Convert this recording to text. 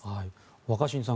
若新さん